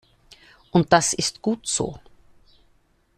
Und das ist gut so!